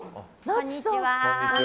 こんにちは。